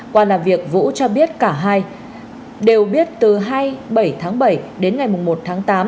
qua làm việc vũ cho biết cả hai đều biết từ hai mươi bảy tháng bảy đến ngày một tháng tám